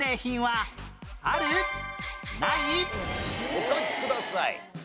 お書きください。